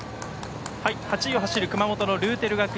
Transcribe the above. ８位を走る熊本のルーテル学院。